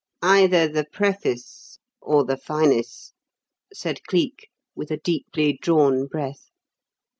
"Either the Preface or the Finis," said Cleek, with a deeply drawn breath.